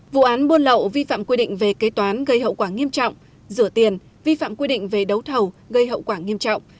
vụ án buôn lậu vi phạm quy định về kế toán gây hậu quả nghiêm trọng rửa tiền vi phạm quy định về đấu thầu gây hậu quả nghiêm trọng